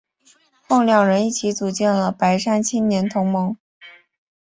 后两人一起组建了白山青年同盟。